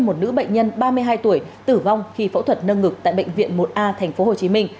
một nữ bệnh nhân ba mươi hai tuổi tử vong khi phẫu thuật nâng ngực tại bệnh viện một a tp hcm